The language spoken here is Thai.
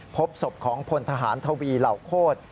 พบศพของพลทหารทวีเหล่าโคตร